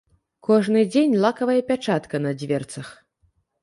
Кожны дзень лакавая пячатка на дзверцах.